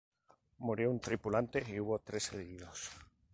Murió un tripulante y hubo tres heridos.